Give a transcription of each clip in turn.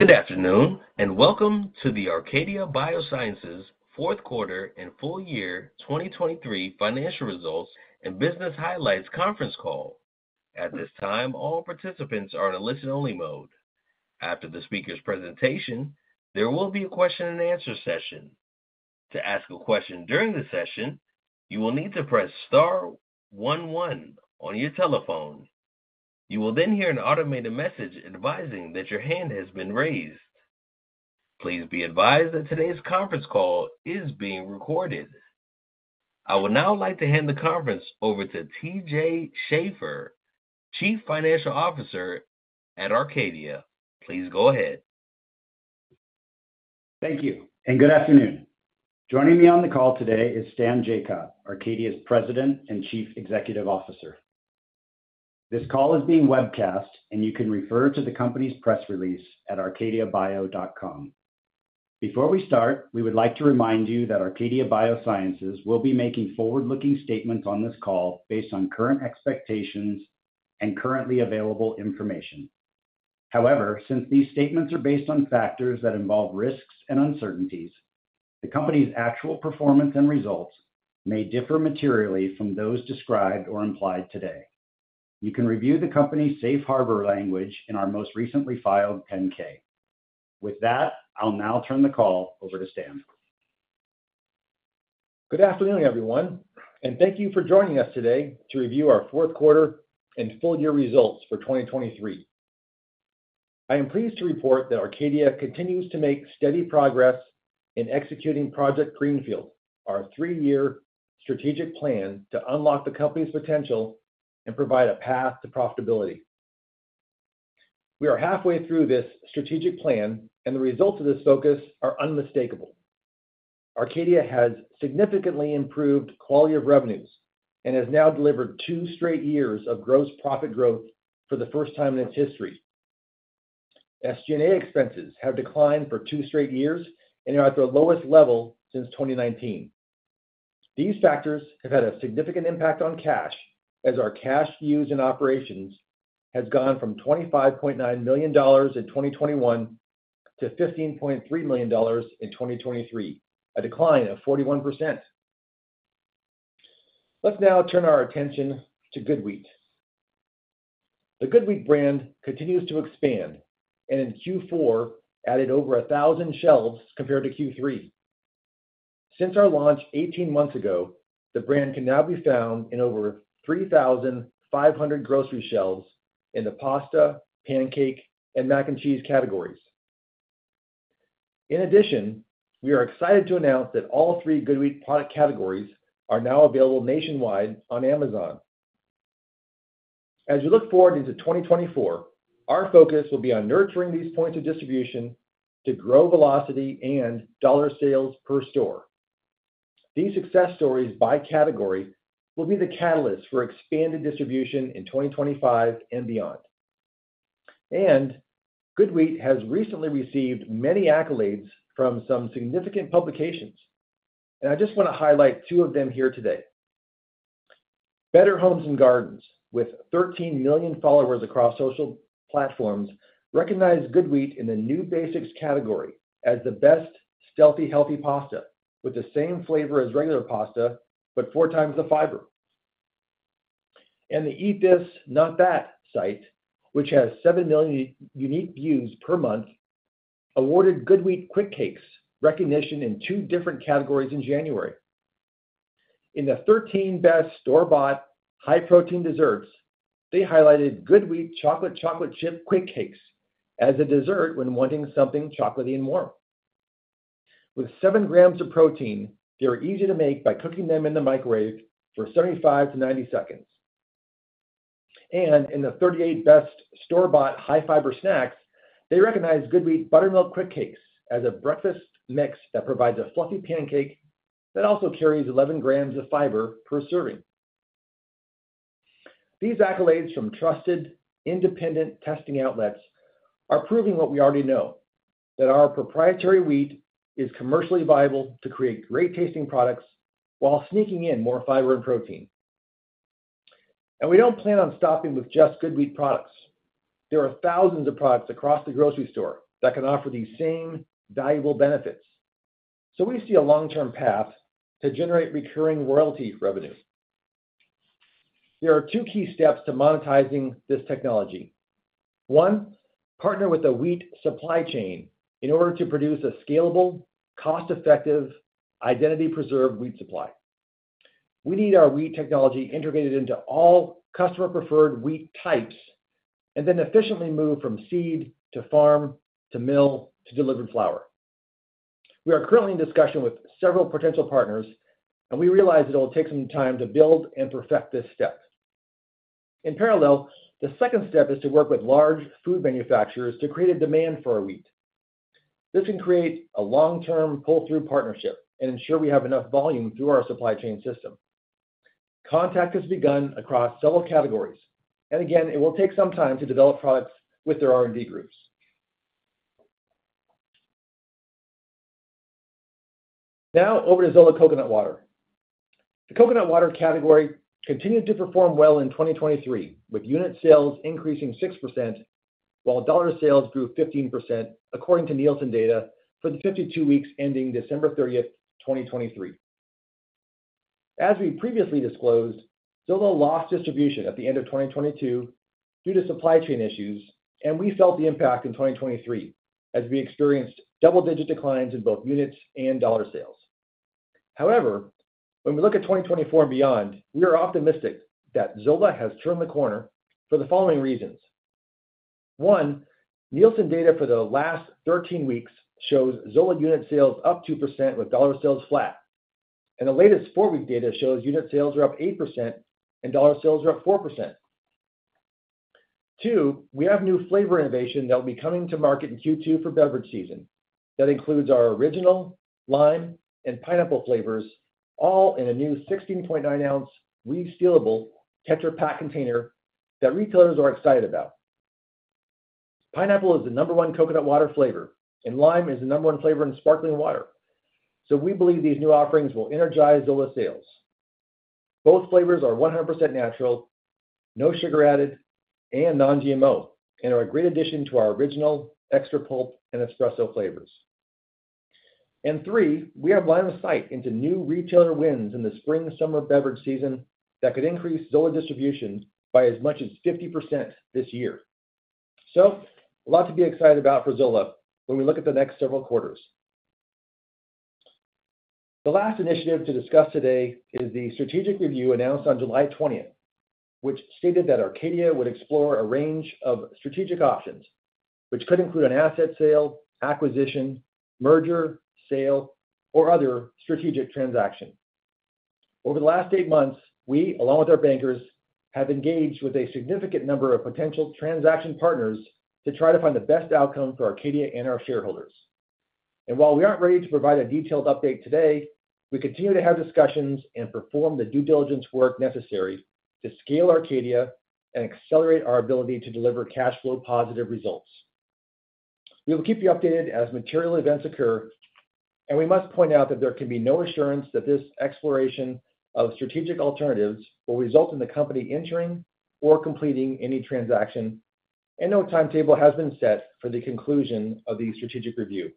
Good afternoon and welcome to the Arcadia Biosciences Fourth Quarter and Full Year 2023 Financial Results and Business Highlights Conference Call. At this time, all participants are in a listen-only mode. After the speaker's presentation, there will be a question-and-answer session. To ask a question during the session, you will need to press star one one on your telephone. You will then hear an automated message advising that your hand has been raised. Please be advised that today's conference call is being recorded. I would now like to hand the conference over to T.J. Schaefer, Chief Financial Officer at Arcadia. Please go ahead. Thank you, and good afternoon. Joining me on the call today is Stan Jacot, Arcadia's President and Chief Executive Officer. This call is being webcast, and you can refer to the company's press release at arcadiabio.com. Before we start, we would like to remind you that Arcadia Biosciences will be making forward-looking statements on this call based on current expectations and currently available information. However, since these statements are based on factors that involve risks and uncertainties, the company's actual performance and results may differ materially from those described or implied today. You can review the company's safe harbor language in our most recently filed 10-K. With that, I'll now turn the call over to Stan. Good afternoon, everyone, and thank you for joining us today to review our fourth quarter and full year results for 2023. I am pleased to report that Arcadia continues to make steady progress in executing Project Greenfield, our three-year strategic plan to unlock the company's potential and provide a path to profitability. We are halfway through this strategic plan, and the results of this focus are unmistakable. Arcadia has significantly improved quality of revenues and has now delivered two straight years of gross profit growth for the first time in its history. SG&A expenses have declined for two straight years and are at their lowest level since 2019. These factors have had a significant impact on cash, as our cash used in operations has gone from $25.9 million in 2021 to $15.3 million in 2023, a decline of 41%. Let's now turn our attention to GoodWheat. The GoodWheat brand continues to expand and in Q4 added over 1,000 shelves compared to Q3. Since our launch 18 months ago, the brand can now be found in over 3,500 grocery shelves in the Pasta, Pancake, and Mac and Cheese categories. In addition, we are excited to announce that all three GoodWheat product categories are now available nationwide on Amazon. As we look forward into 2024, our focus will be on nurturing these points of distribution to grow velocity and dollar sales per store. These success stories by category will be the catalyst for expanded distribution in 2025 and beyond. GoodWheat has recently received many accolades from some significant publications, and I just want to highlight two of them here today. Better Homes and Gardens, with 13 million followers across social platforms, recognized GoodWheat in the New Basics category as the best stealthy healthy pasta with the same flavor as regular pasta but four times the fiber. And the Eat This, Not That site, which has 7 million unique views per month, awarded GoodWheat Quikcakes recognition in two different categories in January. In the 13 Best Store-Bought High-Protein Desserts, they highlighted GoodWheat Chocolate Chocolate Chip Quikcakes as a dessert when wanting something chocolatey and warm. With 7 grams of protein, they are easy to make by cooking them in the microwave for 75-90 seconds. And in the 38 Best Store-Bought High-Fiber Snacks, they recognized GoodWheat Buttermilk Quikcakes as a breakfast mix that provides a fluffy pancake that also carries 11 grams of fiber per serving. These accolades from trusted, independent testing outlets are proving what we already know, that our proprietary wheat is commercially viable to create great tasting products while sneaking in more fiber and protein. We don't plan on stopping with just GoodWheat products. There are thousands of products across the grocery store that can offer these same valuable benefits, so we see a long-term path to generate recurring royalty revenue. There are two key steps to monetizing this technology. One, partner with a wheat supply chain in order to produce a scalable, cost-effective, identity-preserved wheat supply. We need our wheat technology integrated into all customer-preferred wheat types and then efficiently move from seed to farm to mill to delivered flour. We are currently in discussion with several potential partners, and we realize it will take some time to build and perfect this step. In parallel, the second step is to work with large food manufacturers to create a demand for our wheat. This can create a long-term pull-through partnership and ensure we have enough volume through our supply chain system. Contact has begun across several categories, and again, it will take some time to develop products with their R&D groups. Now over to Zola Coconut Water. The coconut water category continued to perform well in 2023, with unit sales increasing 6% while dollar sales grew 15%, according to Nielsen data for the 52 weeks ending December 30th, 2023. As we previously disclosed, Zola lost distribution at the end of 2022 due to supply chain issues, and we felt the impact in 2023 as we experienced double-digit declines in both units and dollar sales. However, when we look at 2024 and beyond, we are optimistic that Zola has turned the corner for the following reasons. One, Nielsen data for the last 13 weeks shows Zola unit sales up 2% with dollar sales flat, and the latest four-week data shows unit sales are up 8% and dollar sales are up 4%. Two, we have new flavor innovation that will be coming to market in Q2 for beverage season that includes our original, lime, and pineapple flavors, all in a new 16.9-ounce resealable Tetra Pak container that retailers are excited about. Pineapple is the number one coconut water flavor, and lime is the number one flavor in sparkling water, so we believe these new offerings will energize Zola sales. Both flavors are 100% natural, no sugar added, and non-GMO and are a great addition to our original extra pulp and espresso flavors. And three, we have line of sight into new retailer wins in the spring/summer beverage season that could increase Zola distribution by as much as 50% this year. So a lot to be excited about for Zola when we look at the next several quarters. The last initiative to discuss today is the strategic review announced on July 20th, which stated that Arcadia would explore a range of strategic options, which could include an asset sale, acquisition, merger, sale, or other strategic transaction. Over the last eight months, we, along with our bankers, have engaged with a significant number of potential transaction partners to try to find the best outcome for Arcadia and our shareholders. And while we aren't ready to provide a detailed update today, we continue to have discussions and perform the due diligence work necessary to scale Arcadia and accelerate our ability to deliver cash flow-positive results. We will keep you updated as material events occur, and we must point out that there can be no assurance that this exploration of strategic alternatives will result in the company entering or completing any transaction, and no timetable has been set for the conclusion of the strategic review.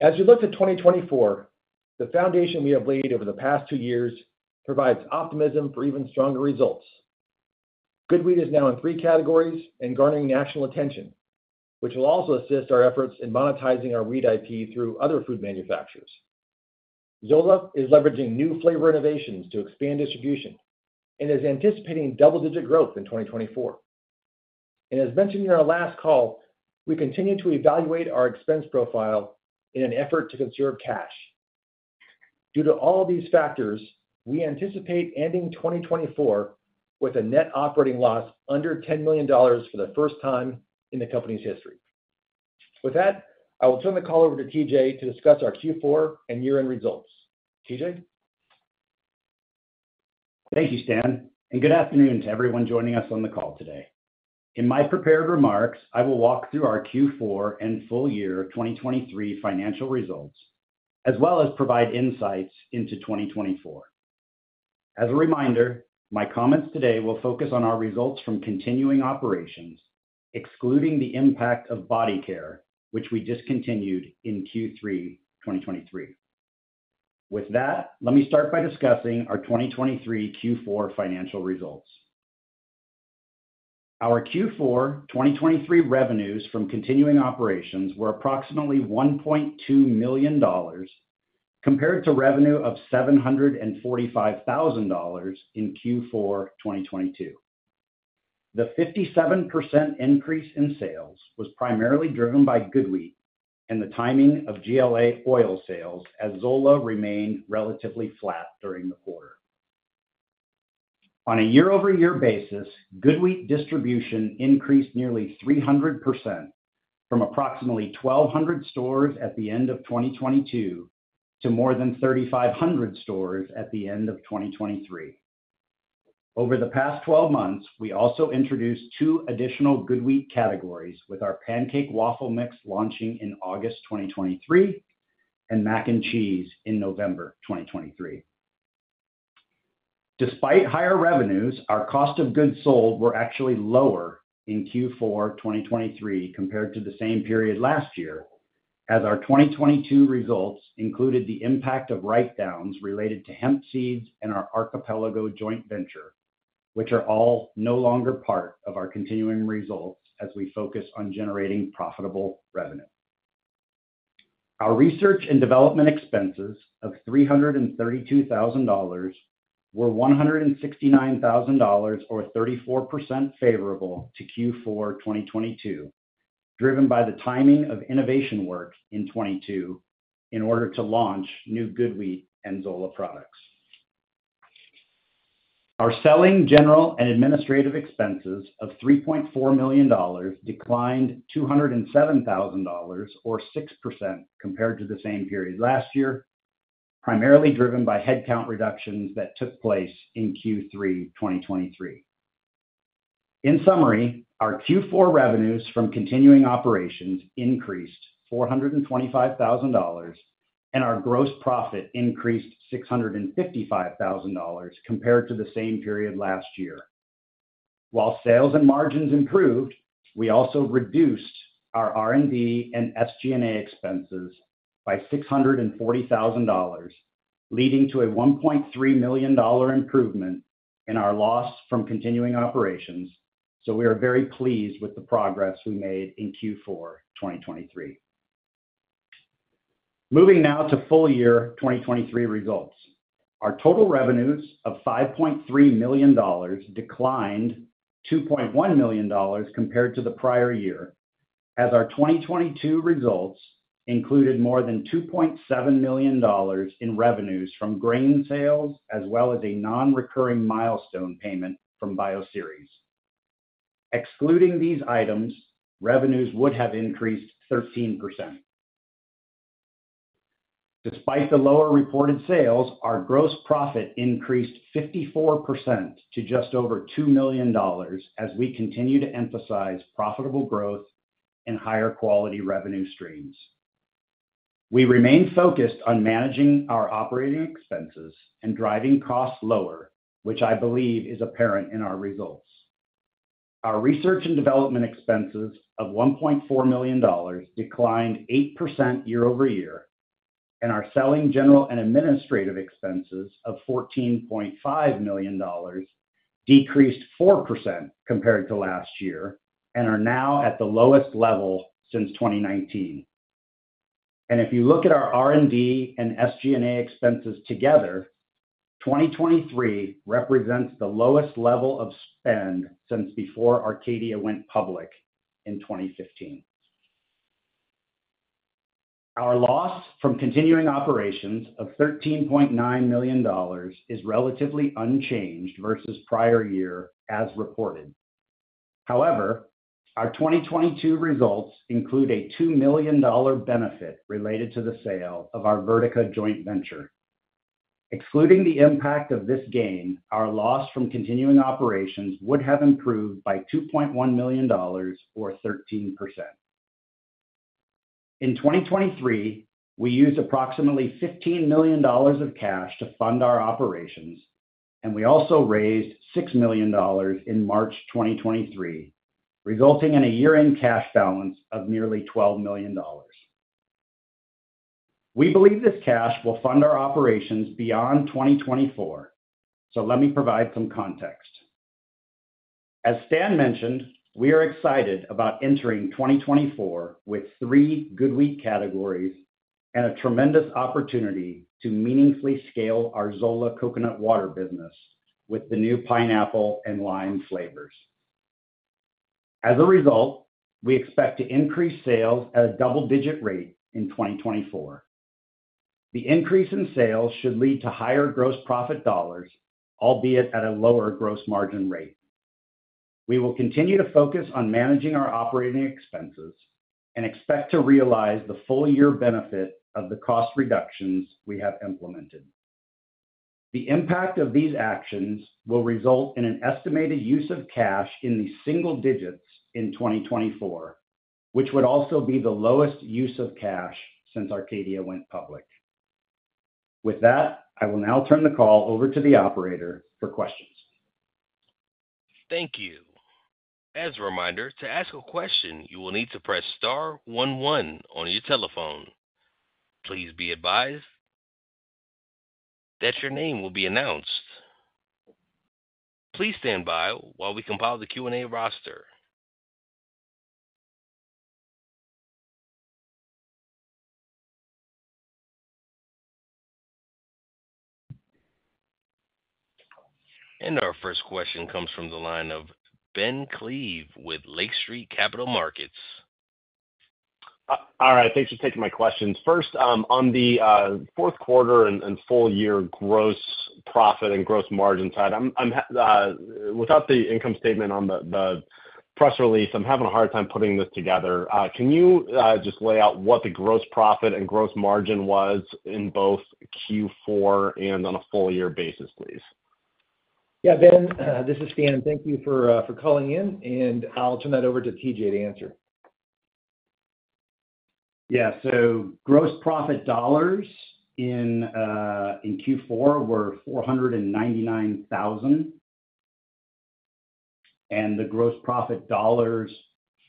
As we look to 2024, the foundation we have laid over the past two years provides optimism for even stronger results. GoodWheat is now in three categories and garnering national attention, which will also assist our efforts in monetizing our wheat IP through other food manufacturers. Zola is leveraging new flavor innovations to expand distribution and is anticipating double-digit growth in 2024. As mentioned in our last call, we continue to evaluate our expense profile in an effort to conserve cash. Due to all of these factors, we anticipate ending 2024 with a net operating loss under $10 million for the first time in the company's history. With that, I will turn the call over to T.J. to discuss our Q4 and year-end results. T.J.? Thank you, Stan, and good afternoon to everyone joining us on the call today. In my prepared remarks, I will walk through our Q4 and full year 2023 financial results as well as provide insights into 2024. As a reminder, my comments today will focus on our results from continuing operations, excluding the impact of body care, which we discontinued in Q3 2023. With that, let me start by discussing our 2023 Q4 financial results. Our Q4 2023 revenues from continuing operations were approximately $1.2 million compared to revenue of $745,000 in Q4 2022. The 57% increase in sales was primarily driven by GoodWheat and the timing of GLA oil sales as Zola remained relatively flat during the quarter. On a year-over-year basis, GoodWheat distribution increased nearly 300% from approximately 1,200 stores at the end of 2022 to more than 3,500 stores at the end of 2023. Over the past 12 months, we also introduced two additional GoodWheat categories, with our Pancake & Waffle Mix launching in August 2023 and Mac & Cheese in November 2023. Despite higher revenues, our cost of goods sold were actually lower in Q4 2023 compared to the same period last year, as our 2022 results included the impact of write-downs related to hemp seeds and our Archipelago joint venture, which are all no longer part of our continuing results as we focus on generating profitable revenue. Our research and development expenses of $332,000 were $169,000 or 34% favorable to Q4 2022, driven by the timing of innovation work in 2022 in order to launch new GoodWheat and Zola products. Our selling, general, and administrative expenses of $3.4 million declined $207,000 or 6% compared to the same period last year, primarily driven by headcount reductions that took place in Q3 2023. In summary, our Q4 revenues from continuing operations increased $425,000, and our gross profit increased $655,000 compared to the same period last year. While sales and margins improved, we also reduced our R&D and SG&A expenses by $640,000, leading to a $1.3 million improvement in our loss from continuing operations, so we are very pleased with the progress we made in Q4 2023. Moving now to full year 2023 results. Our total revenues of $5.3 million declined $2.1 million compared to the prior year, as our 2022 results included more than $2.7 million in revenues from grain sales as well as a non-recurring milestone payment from Bioceres. Excluding these items, revenues would have increased 13%. Despite the lower reported sales, our gross profit increased 54% to just over $2 million as we continue to emphasize profitable growth and higher quality revenue streams. We remain focused on managing our operating expenses and driving costs lower, which I believe is apparent in our results. Our research and development expenses of $1.4 million declined 8% year over year, and our selling general and administrative expenses of $14.5 million decreased 4% compared to last year and are now at the lowest level since 2019. If you look at our R&D and SG&A expenses together, 2023 represents the lowest level of spend since before Arcadia went public in 2015. Our loss from continuing operations of $13.9 million is relatively unchanged versus prior year as reported. However, our 2022 results include a $2 million benefit related to the sale of our vertical joint venture. Excluding the impact of this gain, our loss from continuing operations would have improved by $2.1 million or 13%. In 2023, we used approximately $15 million of cash to fund our operations, and we also raised $6 million in March 2023, resulting in a year-end cash balance of nearly $12 million. We believe this cash will fund our operations beyond 2024, so let me provide some context. As Stan mentioned, we are excited about entering 2024 with three GoodWheat categories and a tremendous opportunity to meaningfully scale our Zola coconut water business with the new pineapple and lime flavors. As a result, we expect to increase sales at a double-digit rate in 2024. The increase in sales should lead to higher gross profit dollars, albeit at a lower gross margin rate. We will continue to focus on managing our operating expenses and expect to realize the full-year benefit of the cost reductions we have implemented. The impact of these actions will result in an estimated use of cash in the single digits in 2024, which would also be the lowest use of cash since Arcadia went public. With that, I will now turn the call over to the operator for questions. Thank you. As a reminder, to ask a question, you will need to press star 11 on your telephone. Please be advised that your name will be announced. Please stand by while we compile the Q&A roster. Our first question comes from the line of Ben Klieve with Lake Street Capital Markets. All right. Thanks for taking my questions. First, on the fourth quarter and full-year gross profit and gross margin side, without the income statement on the press release, I'm having a hard time putting this together. Can you just lay out what the gross profit and gross margin was in both Q4 and on a full-year basis, please? Yeah, Ben, this is Stan. Thank you for calling in, and I'll turn that over to T.J. to answer. Yeah. So gross profit dollars in Q4 were $499,000, and the gross profit dollars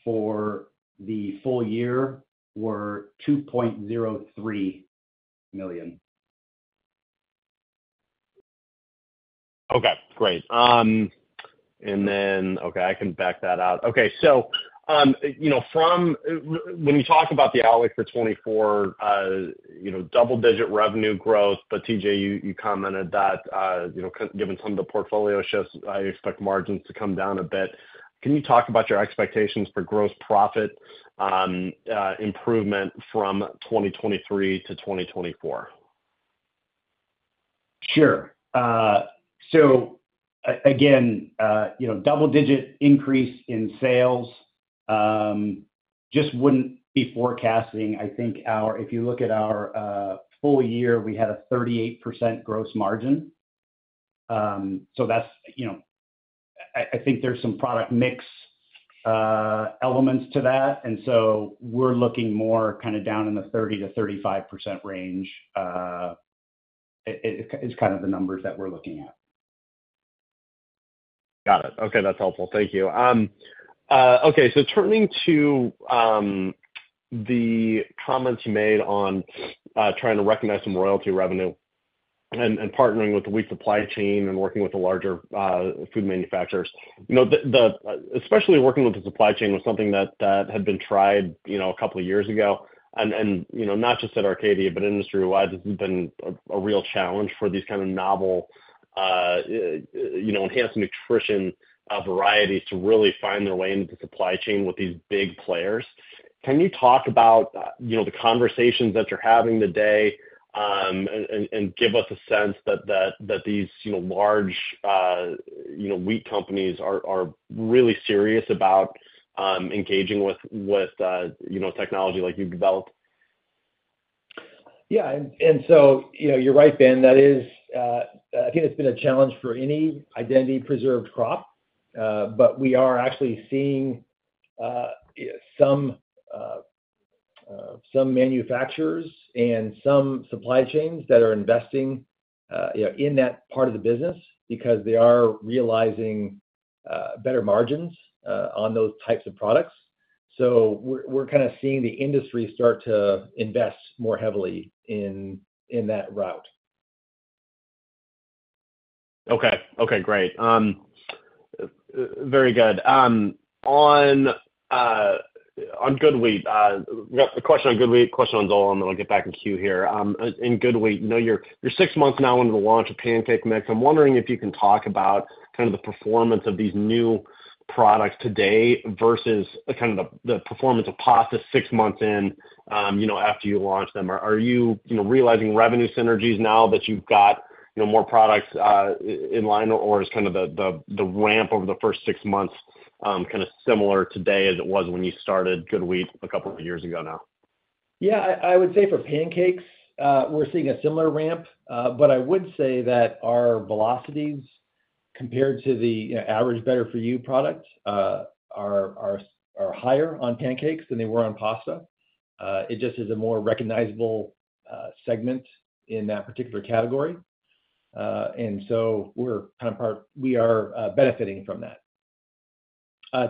for the full year were $2.03 million. Okay. Great. And then, okay, I can back that out. Okay. So when you talk about the outlook for 2024, double-digit revenue growth, but T.J., you commented that given some of the portfolio shifts, I expect margins to come down a bit. Can you talk about your expectations for gross profit improvement from 2023 to 2024? Sure. So again, double-digit increase in sales just wouldn't be forecasting. I think if you look at our full year, we had a 38% gross margin. So I think there's some product mix elements to that, and so we're looking more kind of down in the 30%-35% range. It's kind of the numbers that we're looking at. Got it. Okay. That's helpful. Thank you. Okay. So turning to the comments you made on trying to recognize some royalty revenue and partnering with the wheat supply chain and working with the larger food manufacturers, especially working with the supply chain was something that had been tried a couple of years ago. And not just at Arcadia, but industry-wide, this has been a real challenge for these kind of novel enhanced nutrition varieties to really find their way into the supply chain with these big players. Can you talk about the conversations that you're having today and give us a sense that these large wheat companies are really serious about engaging with technology like you've developed? Yeah. And so you're right, Ben. I think it's been a challenge for any identity-preserved crop, but we are actually seeing some manufacturers and some supply chains that are investing in that part of the business because they are realizing better margins on those types of products. So we're kind of seeing the industry start to invest more heavily in that route. Okay. Okay. Great. Very good. On GoodWheat, we got a question on GoodWheat, a question on Zola, and then I'll get back in queue here. In GoodWheat, you're six months now into the launch of pancake mix. I'm wondering if you can talk about kind of the performance of these new products today versus kind of the performance of pasta six months in after you launched them. Are you realizing revenue synergies now that you've got more products in line, or is kind of the ramp over the first six months kind of similar today as it was when you started GoodWheat a couple of years ago now? Yeah. I would say for pancakes, we're seeing a similar ramp, but I would say that our velocities compared to the average better-for-you product are higher on pancakes than they were on pasta. It just is a more recognizable segment in that particular category, and so we're kind of part we are benefiting from that.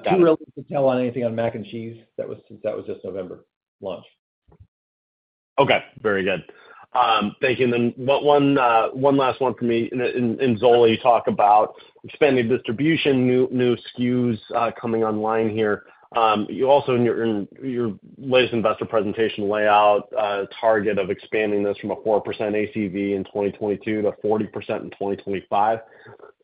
Too early to tell on anything on mac and cheese since that was just November launch. Okay. Very good. Thank you. And then one last one for me. In Zola, you talk about expanding distribution, new SKUs coming online here. Also, in your latest investor presentation layout, target of expanding this from a 4% ACV in 2022 to 40% in 2025.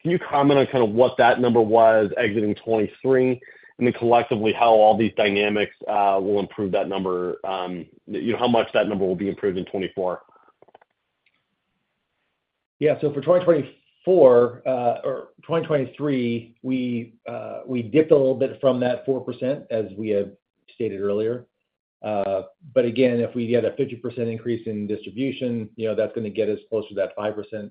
Can you comment on kind of what that number was exiting 2023, and then collectively, how all these dynamics will improve that number, how much that number will be improved in 2024? Yeah. So for 2024 or 2023, we dipped a little bit from that 4% as we had stated earlier. But again, if we had a 50% increase in distribution, that's going to get us closer to that 5%-6%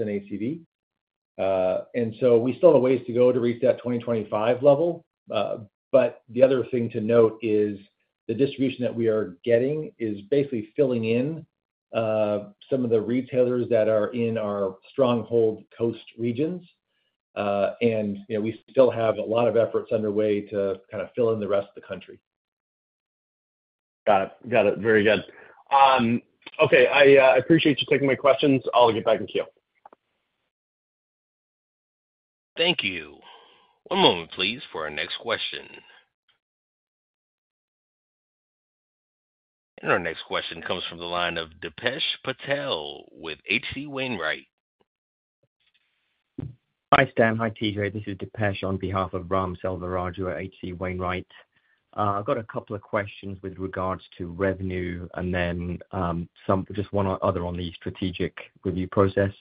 ACV. And so we still have a ways to go to reach that 2025 level. But the other thing to note is the distribution that we are getting is basically filling in some of the retailers that are in our stronghold coast regions, and we still have a lot of efforts underway to kind of fill in the rest of the country. Got it. Got it. Very good. Okay. I appreciate you taking my questions. I'll get back in queue. Thank you. One moment, please, for our next question. Our next question comes from the line of Dipesh Patel with H.C. Wainwright. Hi, Stan. Hi, T.J. This is Dipesh on behalf of Ram Selvaraju at H.C. Wainwright. I've got a couple of questions with regards to revenue and then just one other on the strategic review process.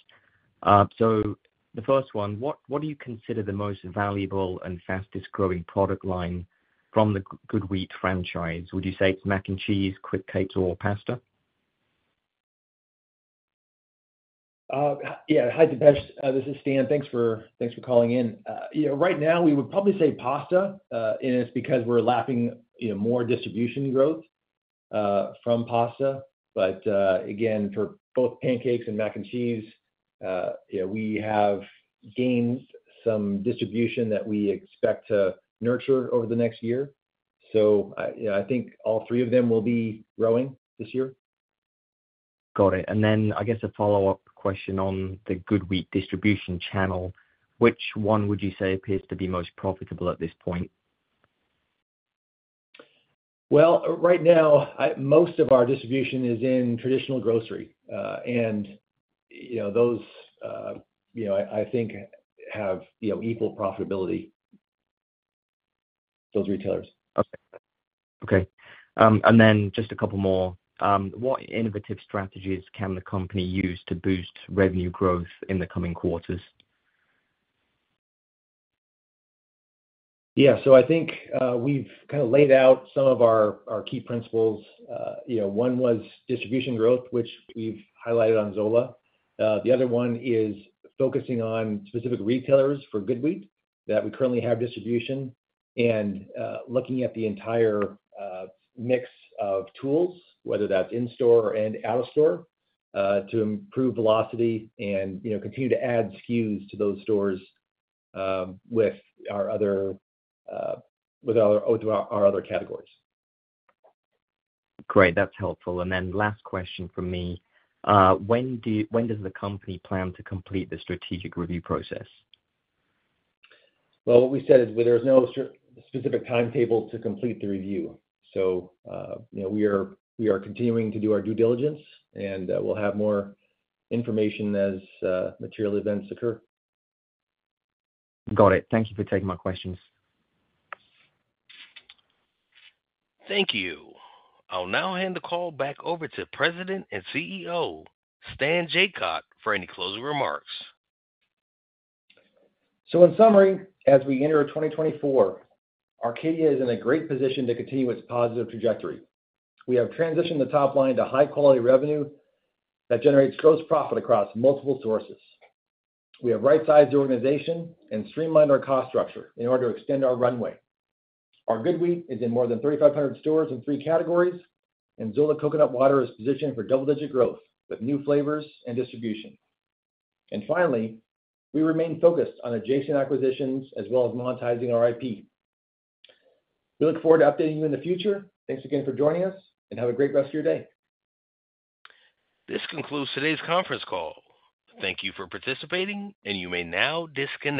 So the first one, what do you consider the most valuable and fastest-growing product line from the GoodWheat franchise? Would you say it's mac and cheese, Quikcakes, or pasta? Yeah. Hi, Dipesh. This is Stan. Thanks for calling in. Right now, we would probably say pasta, and it's because we're lapping more distribution growth from pasta. But again, for both pancakes and mac and cheese, we have gained some distribution that we expect to nurture over the next year. So I think all three of them will be growing this year. Got it. And then I guess a follow-up question on the GoodWheat distribution channel. Which one would you say appears to be most profitable at this point? Well, right now, most of our distribution is in traditional grocery, and those, I think, have equal profitability, those retailers. Okay. Okay. And then just a couple more. What innovative strategies can the company use to boost revenue growth in the coming quarters? Yeah. So I think we've kind of laid out some of our key principles. One was distribution growth, which we've highlighted on Zola. The other one is focusing on specific retailers for GoodWheat that we currently have distribution and looking at the entire mix of tools, whether that's in-store and out-of-store, to improve velocity and continue to add SKUs to those stores with our other categories. Great. That's helpful. And then last question from me. When does the company plan to complete the strategic review process? Well, what we said is there's no specific timetable to complete the review. So we are continuing to do our due diligence, and we'll have more information as material events occur. Got it. Thank you for taking my questions. Thank you. I'll now hand the call back over to President and CEO Stan Jacot for any closing remarks. So in summary, as we enter 2024, Arcadia is in a great position to continue its positive trajectory. We have transitioned the top line to high-quality revenue that generates gross profit across multiple sources. We have right-sized the organization and streamlined our cost structure in order to extend our runway. Our GoodWheat is in more than 3,500 stores in three categories, and Zola Coconut Water is positioned for double-digit growth with new flavors and distribution. And finally, we remain focused on adjacent acquisitions as well as monetizing our IP. We look forward to updating you in the future. Thanks again for joining us, and have a great rest of your day. This concludes today's conference call. Thank you for participating, and you may now disconnect.